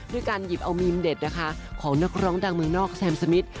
การหยิบเอามีมเด็ดนะคะของนักร้องดังเมืองนอกแซมสมิท